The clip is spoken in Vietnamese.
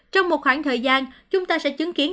trong một khoảng thời gian chúng ta sẽ chứng kiến